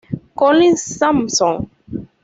Colin Sampson.